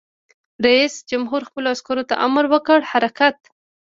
رئیس جمهور خپلو عسکرو ته امر وکړ؛ حرکت!